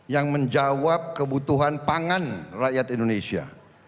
yang menjawab kebutuhan pangan rakyat indonesia